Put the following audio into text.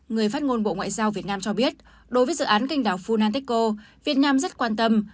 người phát ngôn bộ ngoại giao việt nam cho biết đối với dự án canh đảo funantechco việt nam rất quan tâm